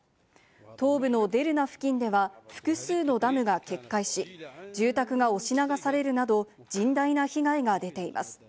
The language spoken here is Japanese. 東部のデルナ付近では、複数のダムが決壊し、住宅が押し流されるなど、甚大な被害が出ています。